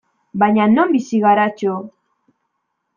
Baina non bizi gara, txo!